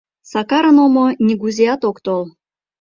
Сакарын омо нигузеат ок тол.